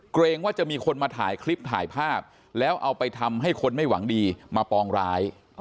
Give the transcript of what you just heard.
เกรงว่าจะมีคนมาถ่ายคลิปถ่ายภาพแล้วเอาไปทำให้คนไม่หวังดีมาปองร้าย